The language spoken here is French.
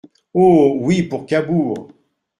Oh ! oui, pour Cabourg !